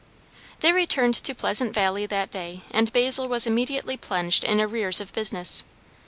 They returned to Pleasant Valley that day, and Basil was immediately plunged in arrears of business.